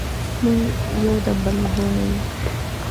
موږ یو د بل وروڼه یو.